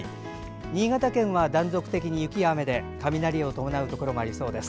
新潟は断続的に雪や雨で雷を伴うところもありそうです。